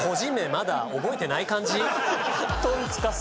まだ覚えてない感じ？